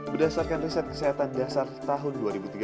berdasarkan riset kesehatan dasar tahun dua ribu tiga belas